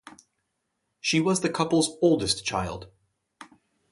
She was the couple's oldest child.